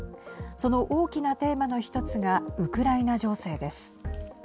その大きなテーマの１つがウクライナ情勢です。